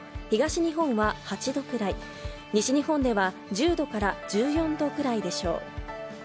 東日本は８度くらい、西日本では１０度から１４度くらいでしょう。